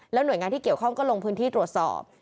หน่วยงานที่เกี่ยวข้องก็ลงพื้นที่ตรวจสอบ